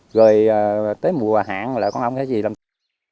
rồi tới mùa hạn là con ong cái gì làm tổ